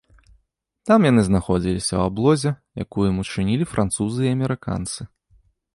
Там яны знаходзіліся ў аблозе, якую ім учынілі французы і амерыканцы.